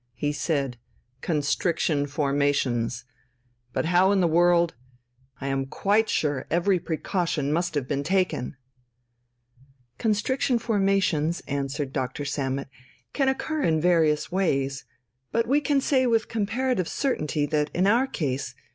He said: "Constriction formations, ... but how in the world ... I am quite sure every precaution must have been taken ..." "Constriction formations," answered Dr. Sammet, "can occur in various ways. But we can say with comparative certainty that in our case